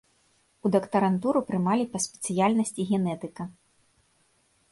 У дактарантуру прымалі па спецыяльнасці генетыка.